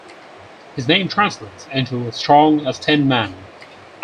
His name translates into "strong as ten men".